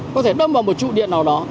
có thể đâm vào một trụ điện nào đó